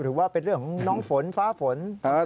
หรือว่าเป็นเรื่องของน้องฝนฟ้าฝน